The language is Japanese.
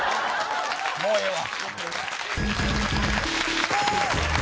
もうええわ。